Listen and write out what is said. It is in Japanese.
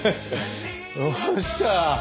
よっしゃ！